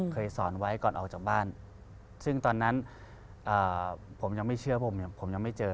เคยสอนไว้ก่อนออกจากบ้านซึ่งตอนนั้นผมยังไม่เชื่อผมผมยังไม่เจอ